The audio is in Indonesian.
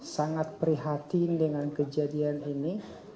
sangat prihatin dengan kejadian ini